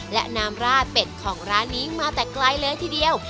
และน้ำราดเป็ดของร้านนี้มาแต่ไกลเลยทีเดียว